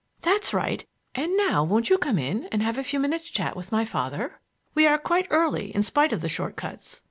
"That's right; and now won't you come in and have a few minutes' chat with my father? We are quite early in spite of the short cuts."